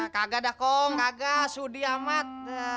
gak ada kong kagak sudi amat